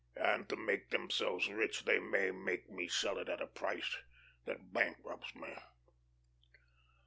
And to make themselves rich, they may make me sell it at a price that bankrupts me."